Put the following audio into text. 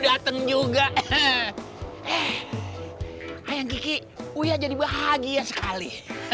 ayang kiki uya jadi bahagia sekali